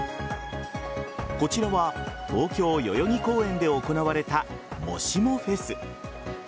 こちらは、東京・代々木公園で行われたもしもＦＥＳ。